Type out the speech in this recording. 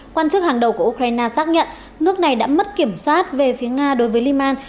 quan chức hàng đầu của ukraine xác nhận nước này đã mất kiểm soát về phía nga đối với liman